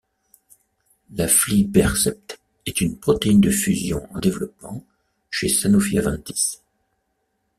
L'aflibercept est une protéine de fusion en développement chez Sanofi Aventis.